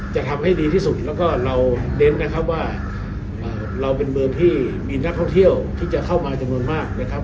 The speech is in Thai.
จะทำให้ดีที่สุดแล้วก็เราเน้นนะครับว่าเราเป็นเมืองที่มีนักท่องเที่ยวที่จะเข้ามาจำนวนมากนะครับ